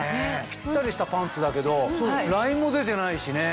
ピッタリしたパンツだけどラインも出てないしね。